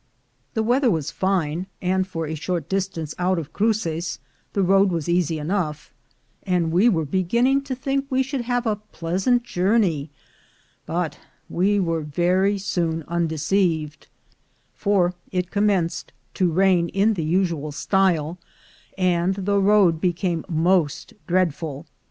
The weather was fine, and for a short distance out of Cruces the road was easy enough, and we were beginning to think we should have a pleasant journey; but we were very soon undeceived, for it commenced to rain in the usual style, and the road became most dreadful.